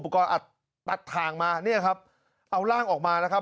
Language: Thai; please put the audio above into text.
อัดตัดทางมาเนี่ยครับเอาร่างออกมานะครับ